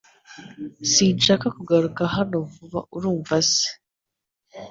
Sinshaka kugaruka hano vuba urumva se.